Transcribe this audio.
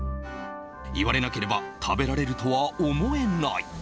言われなければ、食べられるとは思えない。